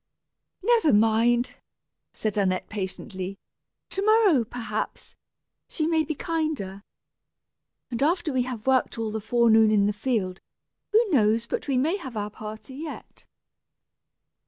"Never mind," said Annette, patiently; "to morrow, perhaps, she may be kinder, and after we have worked all the forenoon in the field, who knows but we may have our party yet?"